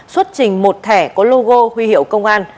xuất trình một thẻ có logo huy hiệu công an